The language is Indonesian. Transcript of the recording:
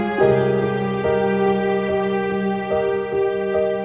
udah lah aku dimanjur